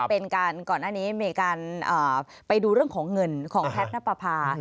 เป็นการก่อนหน้านี้มีการไปดูเรื่องของเงินของแพทย์นับประพา